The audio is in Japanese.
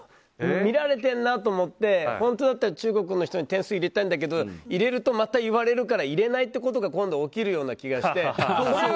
見られてるなと思って本当だったら中国の人に点数入れたいんだけど入れるとまた言われるから入れないってことが今度、起きるような気がして。